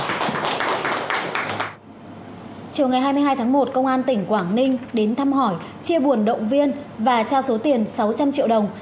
chiều ngày hai mươi hai tháng một công an tỉnh quảng ninh đến thăm hỏi chia buồn động viên và trao số tiền sáu trăm linh triệu đồng